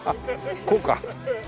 こうか。